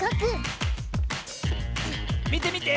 みてみて！